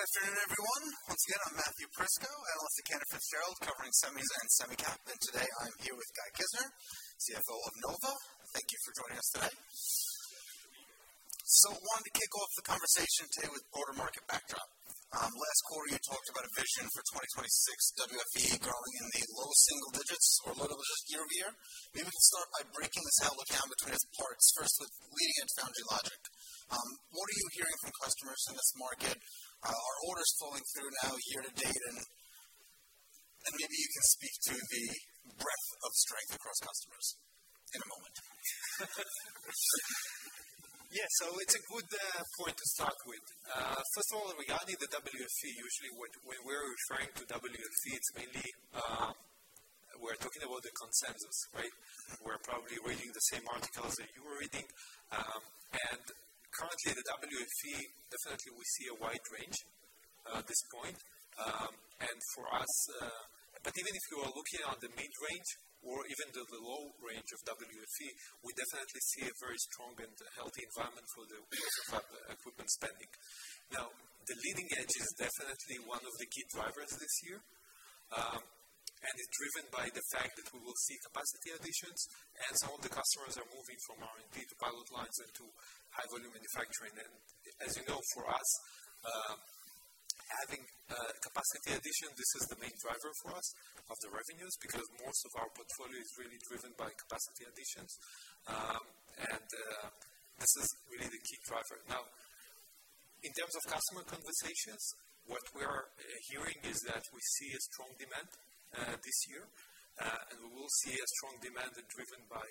All right. Good afternoon, everyone. Once again, I'm Matthew Prisco, analyst at Cantor Fitzgerald, covering semis and semi cap. Today I'm here with Guy Kizner, CFO of Nova. Thank you for joining us today. Wanted to kick off the conversation today with broader market backdrop. Last quarter you talked about a vision for 2026 WFE growing in the low single digits or low digits year-over-year. Maybe we can start by breaking this outlook down between its parts, first with leading-edge foundry logic. What are you hearing from customers in this market? Are orders flowing through now year to date? And maybe you can speak to the breadth of strength across customers in a moment. Yeah. It's a good point to start with. First of all, regarding the WFE, usually when we're referring to WFE, it's mainly we're talking about the consensus, right? We're probably reading the same articles that you are reading. Currently the WFE, definitely we see a wide range at this point, and for us, even if you are looking on the mid-range or even the low range of WFE, we definitely see a very strong and healthy environment for the equipment spending. Now, the leading edge is definitely one of the key drivers this year, and it's driven by the fact that we will see capacity additions as all the customers are moving from R&D to pilot lines and to high volume manufacturing. As you know, for us, having capacity addition, this is the main driver for us of the revenues because most of our portfolio is really driven by capacity additions. This is really the key driver. Now in terms of customer conversations, what we are hearing is that we see a strong demand this year, and we will see a strong demand driven by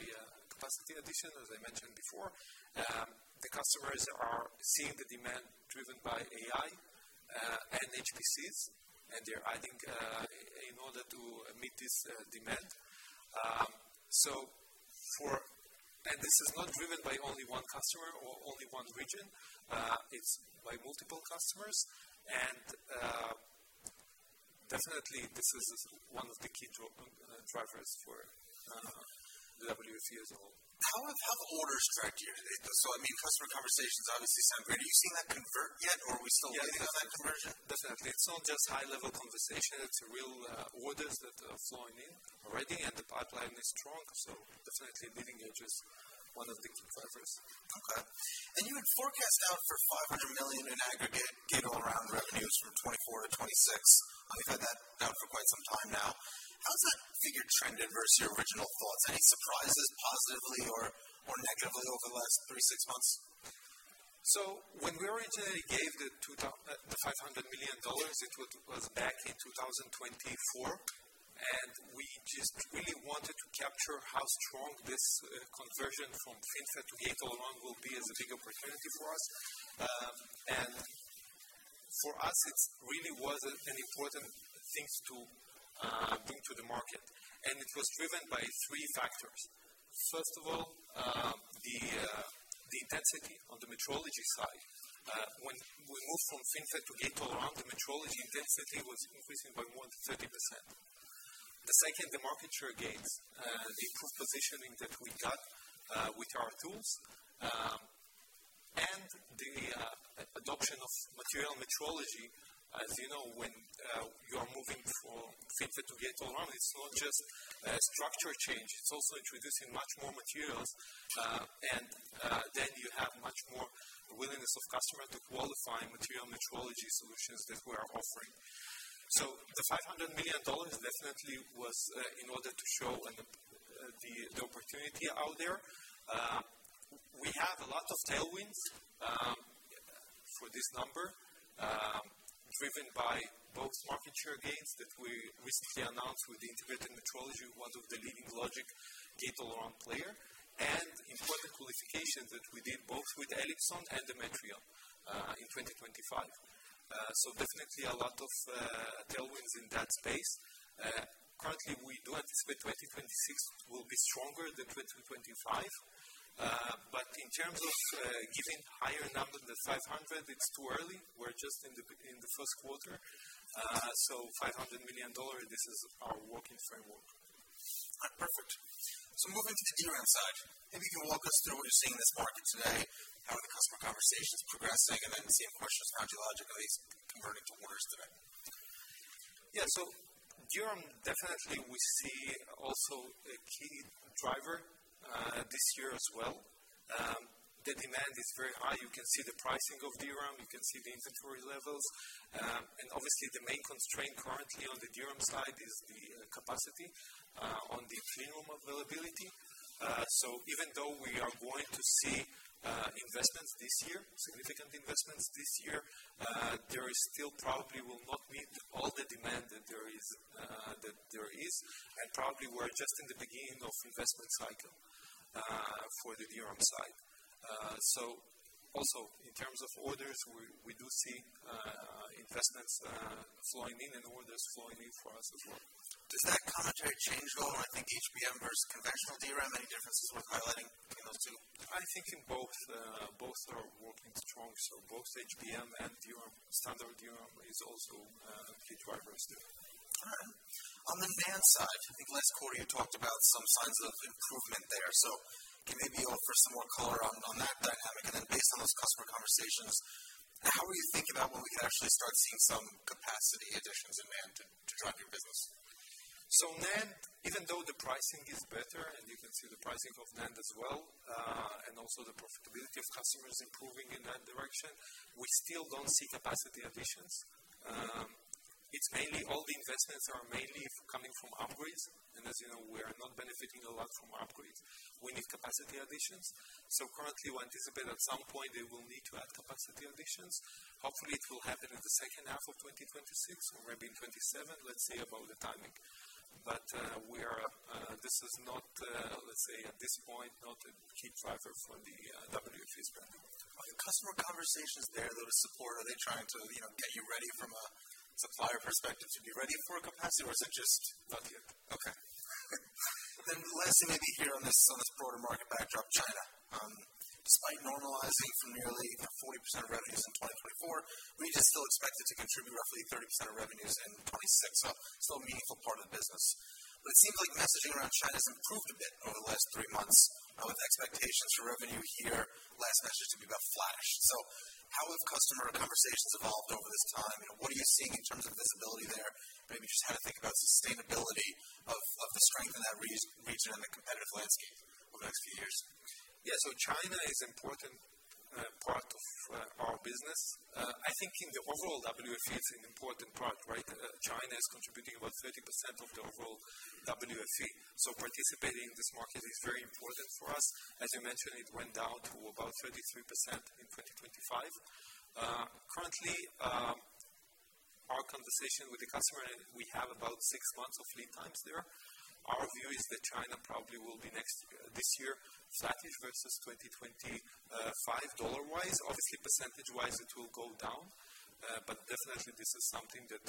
capacity addition, as I mentioned before. The customers are seeing the demand driven by AI and HPC, and they're adding in order to meet this demand. This is not driven by only one customer or only one region, it's by multiple customers and definitely this is one of the key drivers for the WFE as a whole. How have orders tracked year-to-date? I mean, customer conversations obviously sound great. Are you seeing that convert yet or are we still waiting on that conversion? Yeah, definitely. It's not just high-level conversation. It's real orders that are flowing in already and the pipeline is strong. Definitely leading edge is one of the key drivers. Okay. You had forecast out for $500 million in aggregate gate-all-around revenues from 2024 to 2026. You've had that down for quite some time now. How's that figure trended versus your original thoughts? Any surprises positively or negatively over the last three to six months? When we originally gave the $500 million, it was back in 2024, and we just really wanted to capture how strong this conversion from FinFET to gate-all-around will be as a big opportunity for us. For us, it's really was an important things to bring to the market. It was driven by three factors. First of all, the intensity on the metrology side. When we moved from FinFET to gate-all-around, the metrology intensity was increasing by more than 30%. The second, the market share gains, the improved positioning that we got with our tools, and the adoption of material metrology. As you know, when you are moving from FinFET to gate-all-around, it's not just a structure change, it's also introducing much more materials, and then you have much more willingness of customer to qualify material metrology solutions that we are offering. The $500 million definitely was in order to show the opportunity out there. We have a lot of tailwinds for this number driven by both market share gains that we recently announced with the integrated metrology, one of the leading logic gate-all-around player, and important qualifications that we did both with Elipson and Metrion in 2025. Definitely a lot of tailwinds in that space. Currently we do anticipate 2026 will be stronger than 2025. In terms of giving higher number than $500 million, it's too early. We're just in the first quarter. $500 million, this is our working framework. All right. Perfect. Moving to the DRAM side, maybe you can walk us through what you're seeing in this market today, how are the customer conversations progressing, and then seeing how foundry logic is converting to orders there. Yeah. DRAM definitely we see also a key driver this year as well. The demand is very high. You can see the pricing of DRAM, you can see the inventory levels. Obviously the main constraint currently on the DRAM side is the capacity on the HBM availability. Even though we are going to see investments this year, significant investments this year, there is still probably will not meet all the demand that there is, that there is. Probably we're just in the beginning of investment cycle for the DRAM side. Also in terms of orders, we do see investments flowing in and orders flowing in for us as well. Does that commentary change at all when you think HBM versus conventional DRAM? Any differences worth highlighting between those two? I think in both are working strong. Both HBM and DRAM, standard DRAM is also key drivers there. All right. On the NAND side, I think last quarter you talked about some signs of improvement there. Can maybe offer some more color based on those customer conversations, how are you thinking about when we can actually start seeing some capacity additions in NAND to drive your business? NAND, even though the pricing is better, and you can see the pricing of NAND as well, and also the profitability of customers improving in that direction, we still don't see capacity additions. It's mainly all the investments are mainly coming from upgrades. As you know, we are not benefiting a lot from upgrades. We need capacity additions. Currently, we anticipate at some point they will need to add capacity additions. Hopefully, it will happen in the second half of 2026 or maybe 2027. Let's see about the timing. This is not, let's say, at this point a key driver for the WFE spend. Are your customer conversations there though to support? Are they trying to, you know, get you ready from a supplier perspective to be ready for capacity, or is it just not yet? Not yet. Okay. Last thing maybe here on this broader market backdrop, China. Despite normalizing from nearly 40% of revenues in 2024, we just still expect it to contribute roughly 30% of revenues in 2026. Still a meaningful part of the business. It seems like messaging around China has improved a bit over the last three months, with expectations for revenue, our last message to be about flat-ish. How have customer conversations evolved over this time, and what are you seeing in terms of visibility there? Maybe just how to think about sustainability of the strength in that region and the competitive landscape over the next few years. Yeah. China is important, part of our business. I think in the overall WFE, it's an important part, right? China is contributing about 30% of the overall WFE. Participating in this market is very important for us. As I mentioned, it went down to about 33% in 2025. Currently, our conversation with the customer, and we have about six months of lead times there. Our view is that China probably will be next, this year, flattish versus 2025 dollar-wise. Obviously, percentage-wise it will go down. But definitely this is something that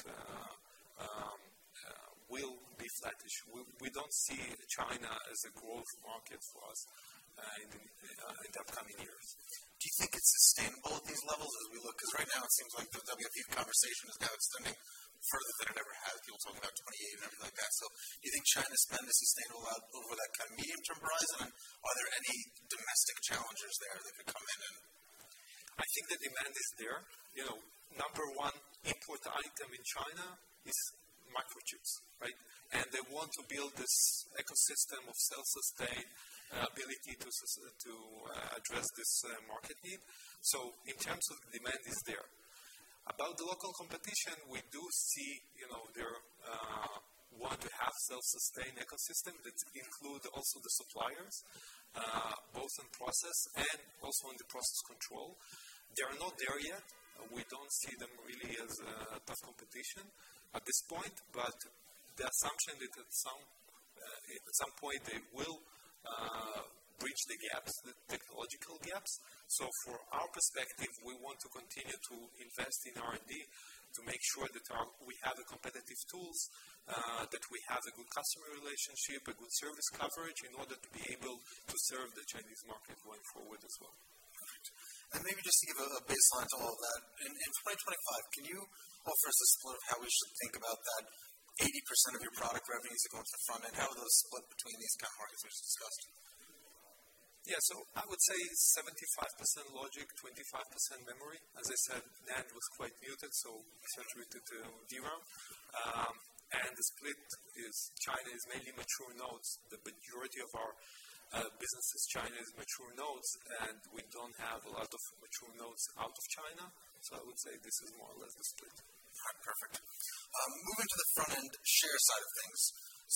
will be flattish. We don't see China as a growth market for us in the upcoming years. Do you think it's sustainable at these levels as we look? 'Cause right now it seems like the WFE conversation is now extending further than it ever has. People talking about 2028 and everything like that. Do you think China spend is sustainable out over that kind of medium-term horizon? Are there any domestic challenges there that could come in and- I think the demand is there. You know, number one import item in China is microchips, right? They want to build this ecosystem of self-sustained ability to address this market need. In terms of demand is there. About the local competition, we do see, you know, their want to have self-sustained ecosystem that include also the suppliers, both in process and also in the process control. They are not there yet. We don't see them really as tough competition at this point. The assumption that at some point they will bridge the gaps, the technological gaps. From our perspective, we want to continue to invest in R&D to make sure that we have the competitive tools, that we have a good customer relationship, a good service coverage in order to be able to serve the Chinese market going forward as well. Maybe just to give a baseline to all of that. In 2025, can you offer us a split of how we should think about that 80% of your product revenues that go to the front end? How are those split between these kind of markets as discussed? Yeah. I would say 75% logic, 25% memory. As I said, NAND was quite muted, so it shifted to DRAM. The split is, China is mainly mature nodes. The majority of our business in China is mature nodes, and we don't have a lot of mature nodes out of China. I would say this is more or less the split. All right. Perfect. Moving to the front-end share side of things.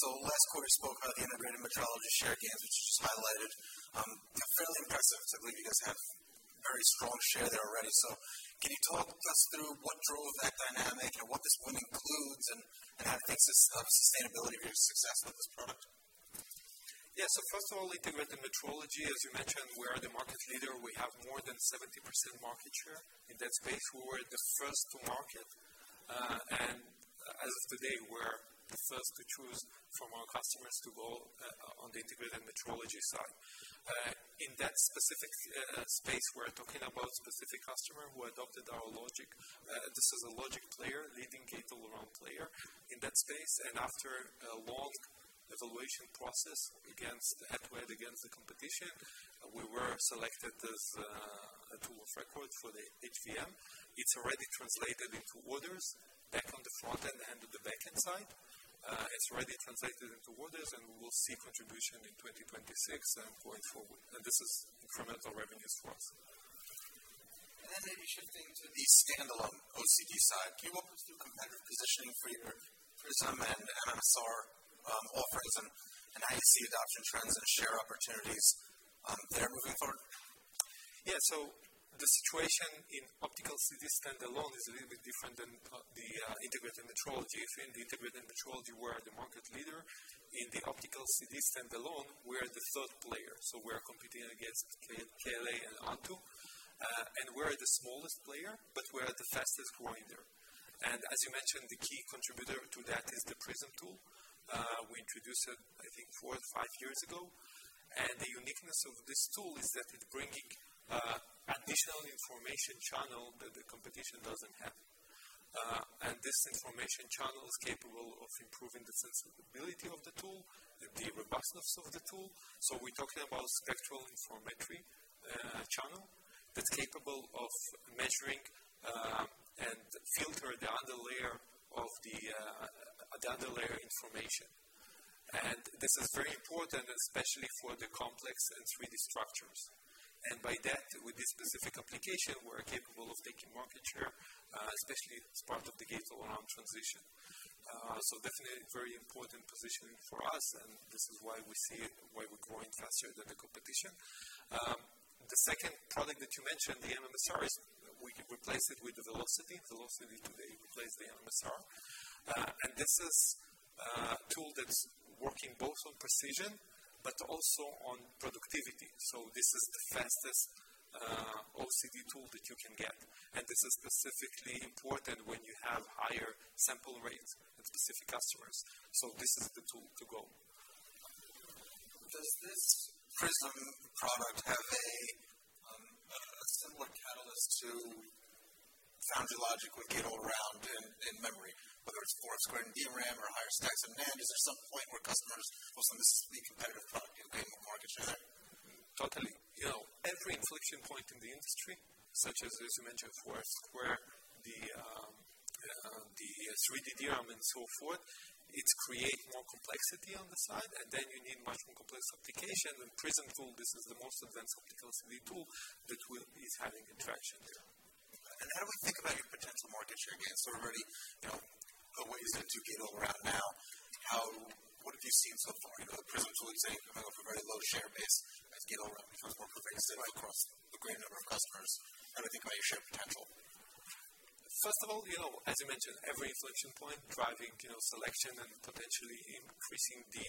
Last quarter you spoke about the integrated metrology share gains, which you just highlighted. Fairly impressive simply because you have very strong share there already. Can you talk us through what drove that dynamic and what this win includes and how it impacts the sustainability of your success with this product? Yeah. First of all, integrated metrology, as you mentioned, we are the market leader. We have more than 70% market share in that space. We were the first to market. And as of today, we're the first to choose from our customers to go on the integrated metrology side. In that specific space, we're talking about specific customer who adopted our logic. This is a logic player, leading gate-all-around player in that space. After a long evaluation process against, head to head against the competition, we were selected as a tool of record for the HVM. It's already translated into orders back on the front end and the back end side, and we will see contribution in 2026 and going forward. This is incremental revenues for us. Maybe shifting to the standalone OCD side. Can you walk us through competitive positioning for your Prism and Metrion offers and how you see adoption trends and share opportunities there moving forward? Yeah. The situation in optical CD standalone is a little bit different than the integrated metrology. In the integrated metrology, we're the market leader. In the optical CD standalone, we are the third player. We're competing against KLA and Onto Innovation. We're the smallest player, but we're the fastest growing there. As you mentioned, the key contributor to that is the Prism tool. We introduced it I think four or five years ago. The uniqueness of this tool is that it's bringing additional information channel that the competition doesn't have. This information channel is capable of improving the sensitivity of the tool, the robustness of the tool. We're talking about spectral interferometry channel that's capable of measuring and filter the underlayer of the underlayer information. This is very important, especially for the complex and 3D structures. By that, with this specific application, we're capable of taking market share, especially as part of the gate-all-around transition. Definitely very important positioning for us, and this is why we see why we're growing faster than the competition. The second product that you mentioned, the MMSR, is we replace it with the Velocity. Velocity today replace the MMSR. This is a tool that's working both on precision but also on productivity. This is the fastest OCD tool that you can get. This is specifically important when you have higher sample rates and specific customers. This is the tool to go. Does this Prism product have a similar catalyst to foundry logic with gate-all-around in memory, whether it's 4F-square in DRAM or higher stacks of NAND? Is there some point where customers will suddenly see competitive product gain more market share? Totally. You know, every inflection point in the industry, such as you mentioned, 4F-square, 3D DRAM and so forth, it create more complexity on the side, and then you need much more complex application and Prism tool. This is the most advanced optical CD tool that is having traction there. How do we think about your potential market share gains? Already, you know, the ways into gate-all-around now, what have you seen so far? You know, the Prism tool, you say, coming off a very low share base as gate-all-around becomes more pervasive across a greater number of customers. How do you think about your share potential? First of all, you know, as you mentioned, every inflection point driving, you know, selection and potentially increasing the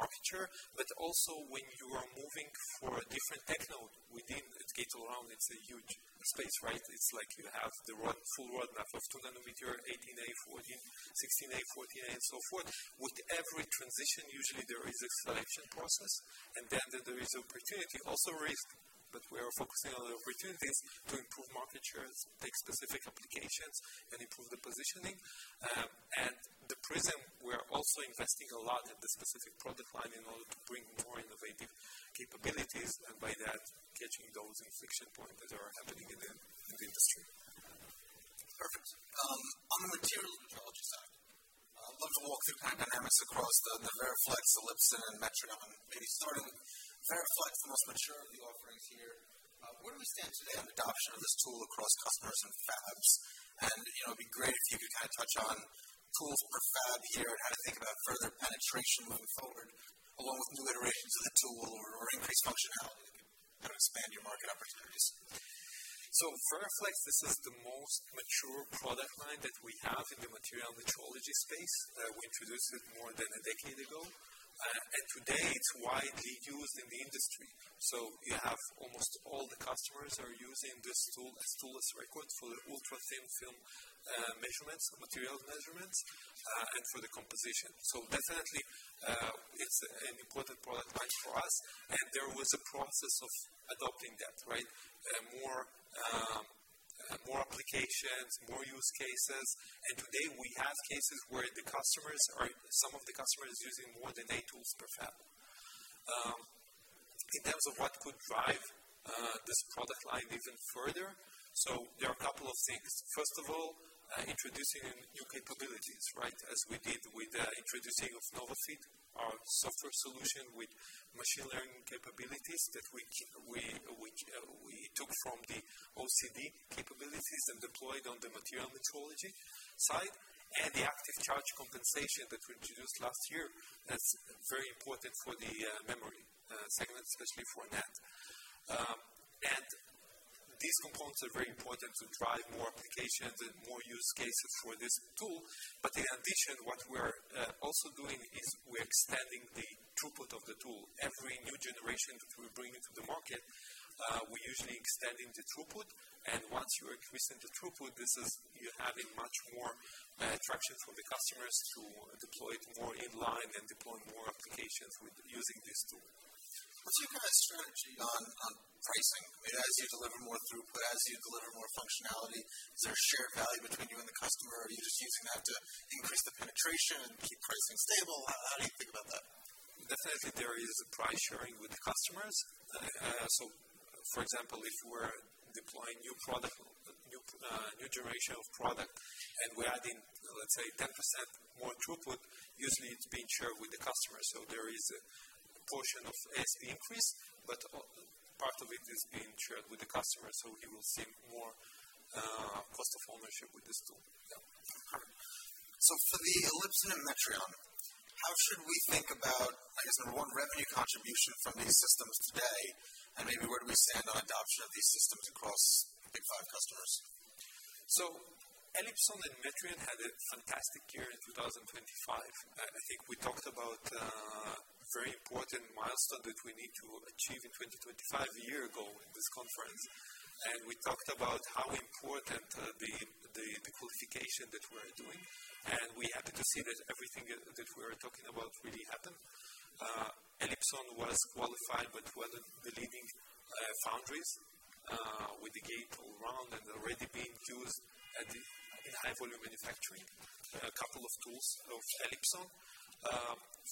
market share. Also when you are moving to a different tech node within gate-all-around, it's a huge space, right? It's like you have the full roadmap of 2nm, 18A, 14A, A16, 14A and so forth. With every transition, usually there is a selection process, and then there is opportunity also risk. We are focusing on the opportunities to improve market shares, take specific applications and improve the positioning. Prism, we are also investing a lot at the specific product line in order to bring more innovative capabilities, and by that catching those inflection point that are happening in the industry. Perfect. On the material metrology side, love to walk through kind of dynamics across the VeraFlex, Elipson, Metrion, maybe starting VeraFlex, the most mature of the offerings here. Where do we stand today on adoption of this tool across customers and fabs? You know, it'd be great if you could kind of touch on tools per fab here and how to think about further penetration moving forward, along with new iterations of the tool or increased functionality that can kind of expand your market opportunities. VeraFlex, this is the most mature product line that we have in the materials metrology space. We introduced it more than a decade ago, and today it's widely used in the industry. You have almost all the customers are using this tool as reference for the ultra-thin film measurements, materials measurements, and for the composition. Definitely, it's an important product line for us, and there was a process of adopting that, right? More applications, more use cases. Today we have cases where some of the customers using more than eight tools per fab. In terms of what could drive this product line even further. There are a couple of things. First of all, introducing new capabilities, right? As we did with introducing of Nova Fit, our software solution with machine learning capabilities that we took from the OCD capabilities and deployed on the material metrology side. The Active Charge Compensation that we introduced last year, that's very important for the memory segment, especially for NAND. These components are very important to drive more applications and more use cases for this tool. In addition, what we're also doing is we're extending the throughput of the tool. Every new generation that we bring into the market, we're usually extending the throughput. Once you're increasing the throughput, this is you're having much more traction for the customers to deploy it more in-line and deploy more applications with using this tool. What's your kind of strategy on pricing? I mean, as you deliver more throughput, as you deliver more functionality, is there shared value between you and the customer? Are you just using that to increase the penetration and keep pricing stable? How do you think about that? Definitely there is a price sharing with the customers. For example, if we're deploying new generation of product, and we're adding, let's say 10% more throughput, usually it's being shared with the customer. There is a portion of ASP increase, but part of it is being shared with the customer, so he will see more cost of ownership with this tool. For the Elipson and Metrion, how should we think about, I guess, number one, revenue contribution from these systems today? And maybe where do we stand on adoption of these systems across big five customers? Elipson and Metrion had a fantastic year in 2025. I think we talked about very important milestone that we need to achieve in 2025 a year ago in this conference. We talked about how important the qualification that we're doing. We're happy to see that everything that we're talking about really happened. Elipson was qualified by the leading foundries with the gate-all-around and already being used in high volume manufacturing. A couple of tools of Elipson.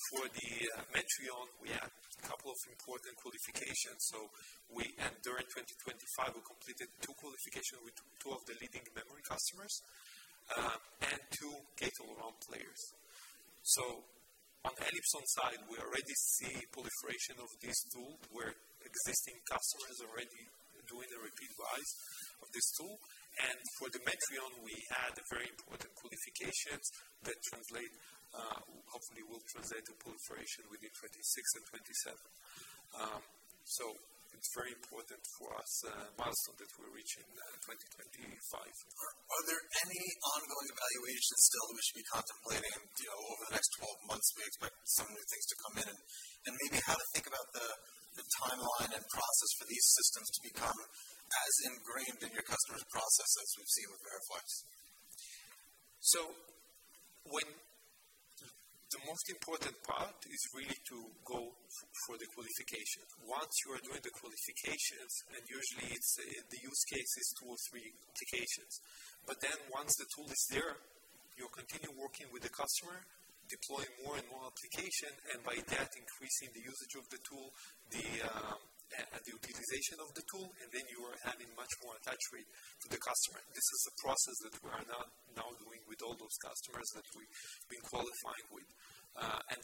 For the Metrion, we had a couple of important qualifications. During 2025, we completed two qualifications with two of the leading memory customers and two gate-all-around players. On Elipson side, we already see proliferation of this tool where existing customers already doing the repeat buys of this tool. For the Metrion, we had a very important qualifications that translate, hopefully will translate to proliferation within 2026 and 2027. It's very important for us, milestone that we're reaching, in 2025. Are there any ongoing evaluations still we should be contemplating, you know, over the next 12 months we expect some new things to come in and maybe how to think about the timeline and process for these systems to become as ingrained in your customers' process as we've seen with VeraFlex? The most important part is really to go for the qualification. Once you are doing the qualifications, and usually it's the use case is two or three qualifications. Once the tool is there, you continue working with the customer, deploying more and more application, and by that, increasing the usage of the tool, the utilization of the tool, and then you are having much more attach rate to the customer. This is a process that we are now doing with all those customers that we've been qualifying with.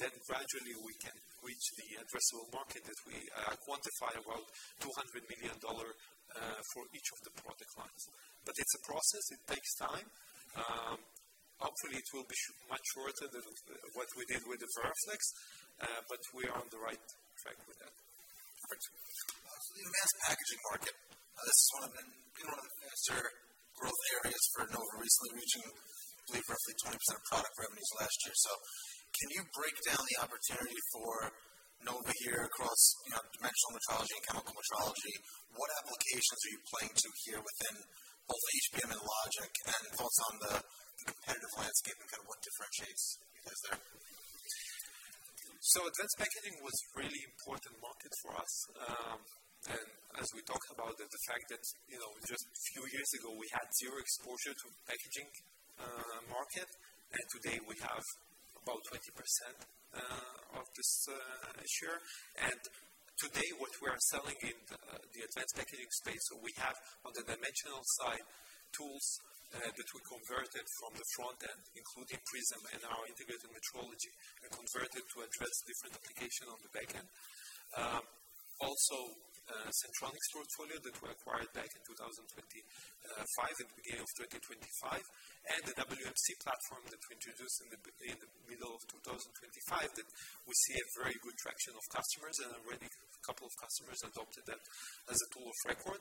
Then gradually we can reach the addressable market that we quantify about $200 million for each of the product lines. It's a process. It takes time. Hopefully, it will be much shorter than what we did with the VeraFlex, but we are on the right track with that. Great. The advanced packaging market, this is one of the, you know, one of the faster growth areas for Nova recently, reaching, I believe, roughly 20% of product revenues last year. Can you break down the opportunity for Nova here across, you know, dimensional metrology and chemical metrology? What applications are you playing to here within both HBM and Logic, and thoughts on the competitive landscape and kind of what differentiates you guys there? Advanced packaging was really important market for us. As we talked about it, the fact that, you know, just a few years ago, we had zero exposure to packaging market, and today we have about 20% of this share. Today, what we are selling in the advanced packaging space, so we have on the dimensional side tools that we converted from the front end, including Prism and our integrated metrology, and converted to address different application on the back end. Also, Sentronics portfolio that we acquired back in 2025, at the beginning of 2025, and the WMC platform that we introduced in the middle of 2025 that we see a very good traction of customers and already a couple of customers adopted that as a tool of record.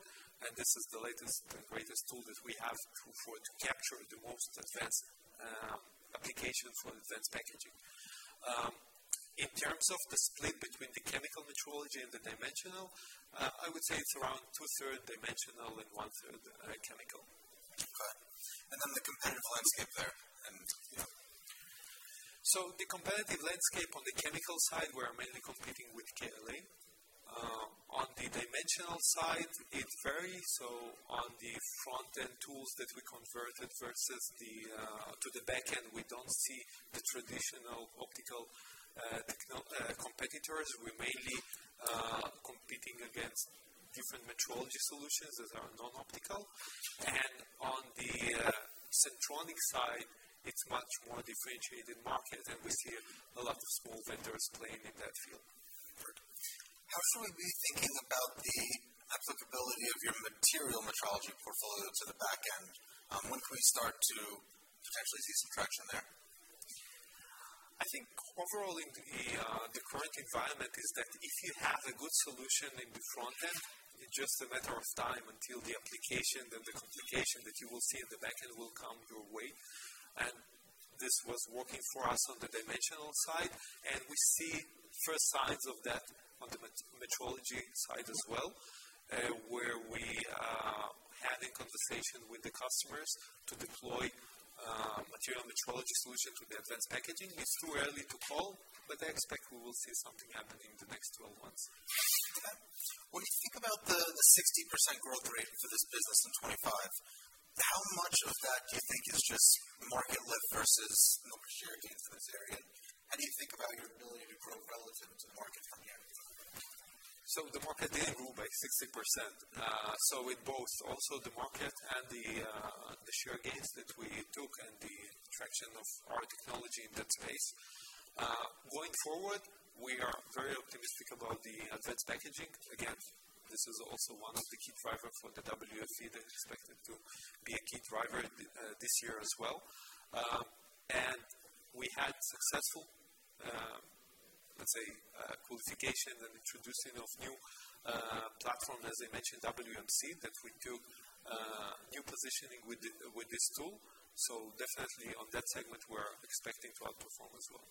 This is the latest and greatest tool that we have to capture the most advanced application for advanced packaging. In terms of the split between the chemical metrology and the dimensional, I would say it's around two-thirds dimensional and one-third chemical. Okay. The competitive landscape there and, you know. The competitive landscape on the chemical side, we're mainly competing with KLA. On the dimensional side, it varies. On the front-end tools that we converted versus the back end, we don't see the traditional optical competitors. We're mainly competing against different metrology solutions that are non-optical. On the Sentronics side, it's much more differentiated market, and we see a lot of small vendors playing in that field. How should we be thinking about the applicability of your material metrology portfolio to the back end? When can we start to potentially see some traction there? I think overall in the current environment is that if you have a good solution in the front end, it's just a matter of time until the application and the complication that you will see in the back end will come your way. This was working for us on the dimensional side, and we see first signs of that on the metrology side as well, where we having conversations with the customers to deploy material metrology solution to the advanced packaging. It's too early to call, but I expect we will see something happen in the next 12 months. When you think about the 60% growth rate for this business in 2025, how much of that do you think is just market lift versus Nova share gains in this area? How do you think about your ability to grow relative to market from here? The market did grow by 60%. It both. Also the market and the share gains that we took and the traction of our technology in that space. Going forward, we are very optimistic about the advanced packaging. Again, this is also one of the key driver for the WFE that is expected to be a key driver this year as well. We had successful, let's say, qualification and introducing of new platform, as I mentioned, WMC, that we do new positioning with this tool. Definitely on that segment, we're expecting to outperform as well.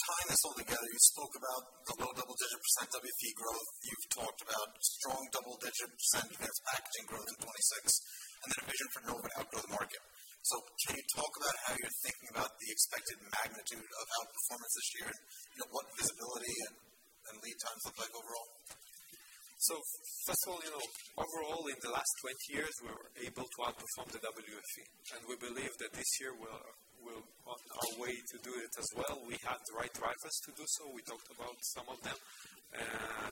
Tying this all together, you spoke about the low double-digit percent WFE growth. You've talked about strong double-digit percent AI growth in 2026 and then a vision for Nova outgrow the market. Can you talk about how you're thinking about the expected magnitude of outperformance this year and, you know, what visibility and lead times look like overall? First of all, you know, overall, in the last 20 years, we were able to outperform the WFE, and we believe that this year we're on our way to do it as well. We have the right drivers to do so. We talked about some of them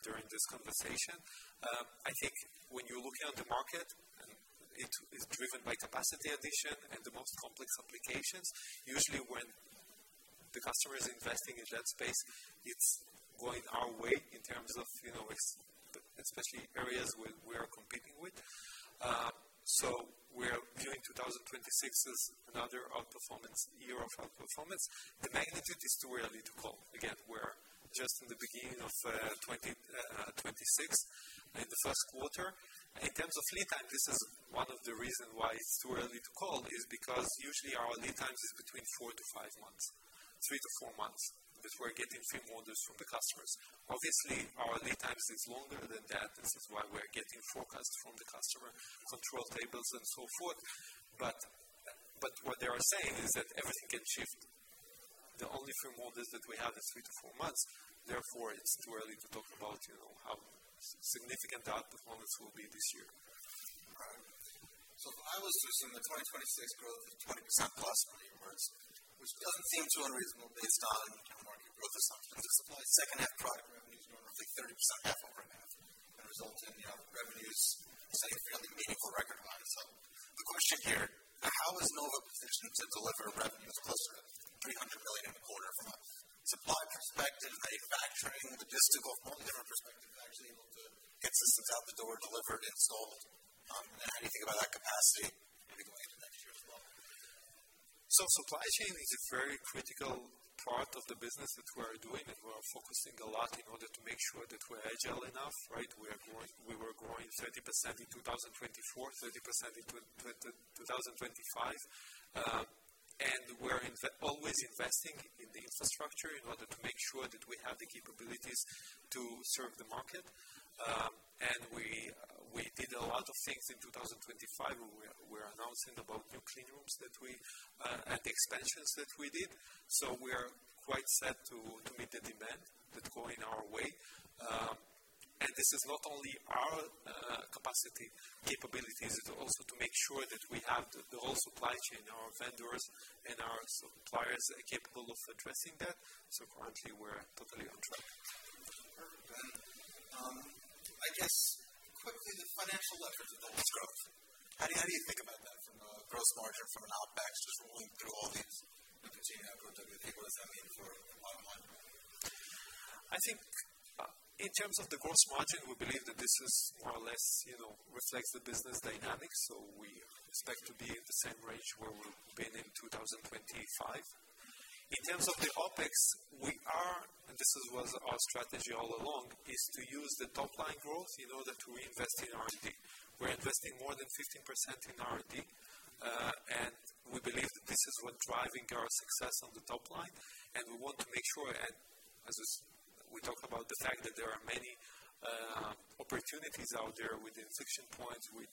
during this conversation. I think when you're looking at the market and it is driven by capacity addition and the most complex applications, usually when the customer is investing in that space, it's going our way in terms of, you know, especially areas where we are competing with. We're viewing 2026 as another outperformance, year of outperformance. The magnitude is too early to call. Again, we're just in the beginning of 2026 in the first quarter. In terms of lead time, this is one of the reason why it's too early to call is because usually our lead times is between four to five months, three to four months, which we're getting frameworks from the customers. Obviously, our lead times is longer than that. This is why we're getting forecasts from the customer, control tables and so forth. But what they are saying is that everything can shift. The only framework that we have is three to four months. Therefore, it's too early to talk about, you know, how significant the outperformance will be this year. All right. If I was to assume that 26% growth at 20%+ for the year, which doesn't seem too unreasonable based on your market growth assumptions, if supply second half product revenues grow roughly 30% half over half and result in, you know, revenues setting a fairly meaningful record high. The question here, how is Nova positioned to deliver revenues closer to $300 million in Q1? Supply perspective, manufacturing, logistics, or from a different perspective, actually, you know, the instruments out the door delivered and sold, how do you think about that capacity maybe going into next year as well? Supply chain is a very critical part of the business that we're doing, and we're focusing a lot in order to make sure that we're agile enough, right? We were growing 30% in 2024, 30% in 2025. We're always investing in the infrastructure in order to make sure that we have the capabilities to serve the market. We did a lot of things in 2025. We're announcing about new clean rooms that we and expansions that we did. We are quite set to meet the demand that go in our way. This is not only our capacity capabilities, it's also to make sure that we have the whole supply chain, our vendors and our suppliers are capable of addressing that. Currently, we're totally on track. Perfect. I guess quickly, the financial leverage of double growth, how do you think about that from a gross margin, from an OpEx, just rolling through all these, the SG&A growth that we had, what does that mean for bottom line? I think, in terms of the gross margin, we believe that this is more or less, you know, reflects the business dynamics. We expect to be in the same range where we've been in 2025. In terms of the OpEx, this is our strategy all along, to use the top line growth in order to reinvest in R&D. We're investing more than 15% in R&D, and we believe that this is what's driving our success on the top line. We want to make sure, and as we've talked about the fact that there are many opportunities out there within inflection points with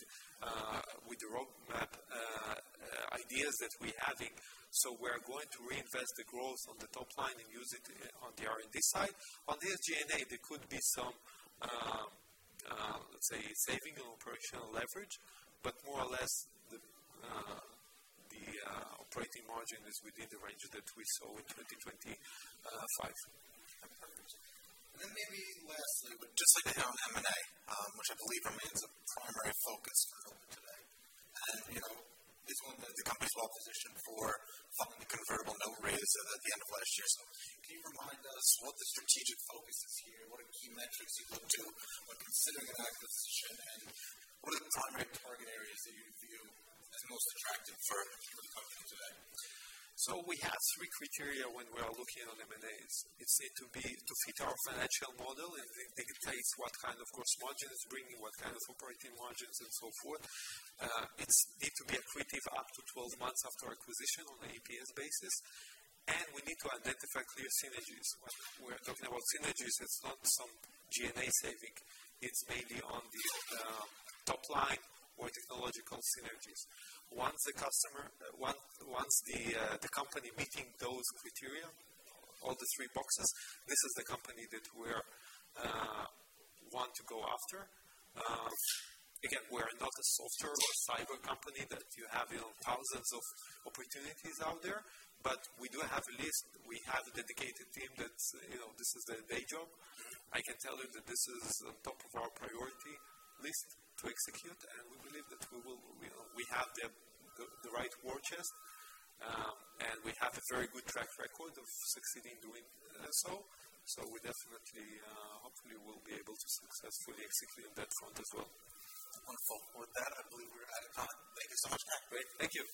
the roadmap ideas that we're adding. We're going to reinvest the growth on the top line and use it on the R&D side. On the SG&A, there could be some, let's say, saving on operational leverage, but more or less the operating margin is within the range that we saw in 2025. Perfect. Maybe lastly, but just so you know, M&A, which I believe remains a primary focus for Nova today. You know, this one, the company is well-positioned for following the convertible note raise at the end of last year. Can you remind us what the strategic focus is here? What are the key metrics you look to when considering an acquisition, and what are the primary target areas that you view as most attractive for the company today? We have three criteria when we are looking at M&As. It needs to fit our financial model, and it dictates what kind of gross margin it's bringing, what kind of operating margins and so forth. It needs to be accretive up to 12 months after acquisition on an EPS basis, and we need to identify clear synergies. When we're talking about synergies, it's not some G&A saving. It's maybe on the top line or technological synergies. Once the company meets those criteria, all the three boxes, this is the company that we want to go after. Again, we're not a software or cyber company that you have, you know, thousands of opportunities out there. We do have a list. We have a dedicated team that, you know, this is their job. I can tell you that this is on top of our priority list to execute, and we believe that we will, you know, we have the right war chest, and we have a very good track record of succeeding doing so. We definitely hopefully will be able to successfully execute on that front as well. One follow-up on that. I believe we're out of time. Thank you so much, Guy. Great. Thank you.